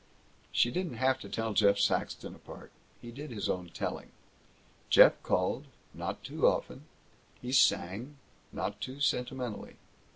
She didn't have to tell Jeff Saxton apart. He did his own telling. Jeff called not too often. He sang not too sentimentally.